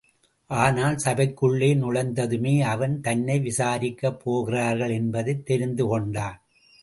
ஆனால், சபைக்குள்ளே நுழைந்ததுமே அவன் தன்னை விசாரிக்கப் போகிறார்கள் என்பதைத் தெரிந்து கொண்டான்.